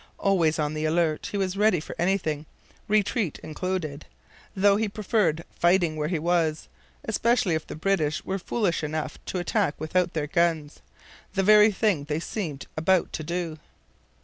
Always on the alert he was ready for anything, retreat included, though he preferred fighting where he was, especially if the British were foolish enough to attack without their guns the very thing they seemed about to do.